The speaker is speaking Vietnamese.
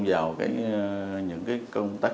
vào những công tác